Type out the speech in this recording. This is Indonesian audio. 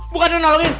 bukan dia nolongin